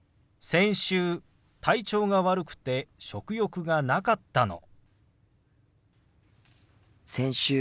先週体調が悪くて食欲がなかったの。